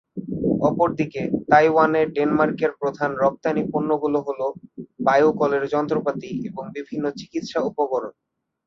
অপরদিকে, তাইওয়ানে ডেনমার্কের প্রধান রপ্তানি পণ্যগুলো হল; বায়ু কলের যন্ত্রপাতি, এবং বিভিন্ন চিকিৎসা উপকরণ।